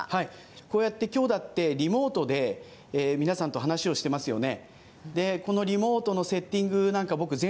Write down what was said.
こうやってきょうだって、リモートで皆さんと話をしてますよね。